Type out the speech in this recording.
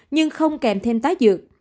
nhưng không kèm thêm tái dược